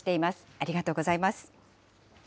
ありがとうございます。